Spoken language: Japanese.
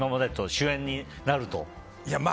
主演になると。